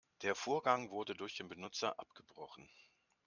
Der Vorgang wurde durch den Benutzer abgebrochen.